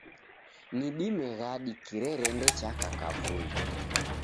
Ni dime ghadi kirerende chaka kivui